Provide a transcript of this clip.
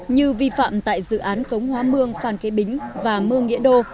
như vi phạm tại dự án cống hóa mương phan kế bính và mương nghĩa đô